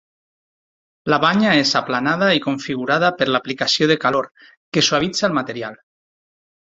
La banya és aplanada i configurada per l'aplicació de calor, que suavitza el material.